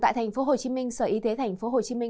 tại tp hcm sở y tế tp hcm